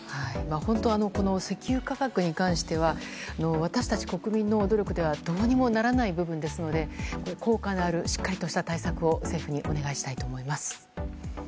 本当、石油価格に関しては私たち国民の努力ではどうにもならない部分ですので効果のあるしっかりとした対策を政府にお願いしたいと思います。